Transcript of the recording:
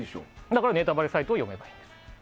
だからネタバレサイトを読めばいいんですよ。